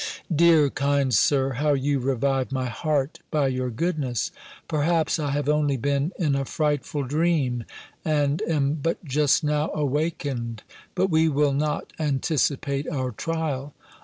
"Dear, kind Sir, how you revive my heart, by your goodness! Perhaps I have only been in a frightful dream, and am but just now awakened. But we will not anticipate our trial.